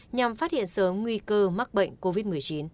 nhằm phát hiện sớm nguy cơ mắc bệnh covid một mươi chín